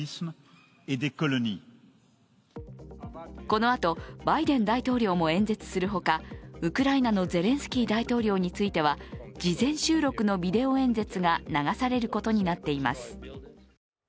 このあと、バイデン大統領も演説するほか、ウクライナのゼレンスキー大統領については、事前収録のビデオ演説が流されることになっています。